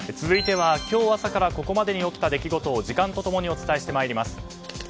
続いては今日朝からここまでに起きた出来事を時間と共にお伝えしてまいります。